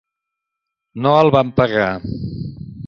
No el van pagar.